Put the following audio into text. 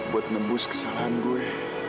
buat nembus kesalahan gue